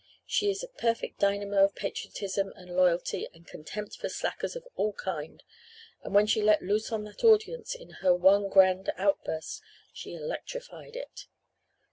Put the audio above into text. She is a perfect dynamo of patriotism and loyalty and contempt for slackers of all kinds, and when she let it loose on that audience in her one grand outburst she electrified it.